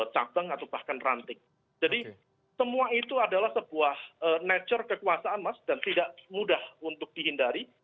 jadi semua itu adalah sebuah nature kekuasaan mas dan tidak mudah untuk dihindari